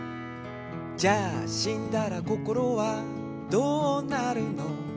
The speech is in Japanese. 「じゃあしんだらこころはどうなるの？」